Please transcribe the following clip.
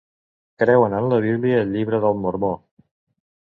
Creuen en la Bíblia i el Llibre del Mormó.